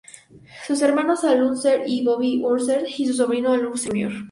Sus hermanos Al Unser y Bobby Unser, y su sobrino Al Unser, Jr.